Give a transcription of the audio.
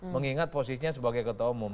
mengingat posisinya sebagai ketua umum